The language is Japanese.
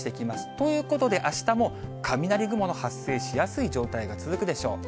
ということで、あしたも雷雲の発生しやすい状態が続くでしょう。